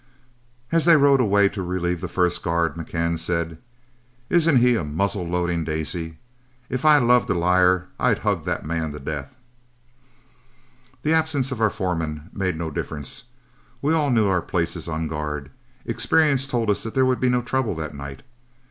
As they rode away to relieve the first guard, McCann said, "Isn't he a muzzle loading daisy? If I loved a liar I'd hug that man to death." The absence of our foreman made no difference. We all knew our places on guard. Experience told us there would be no trouble that night.